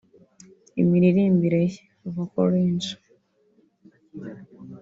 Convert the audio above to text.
Imiririmbire ye (vocal range)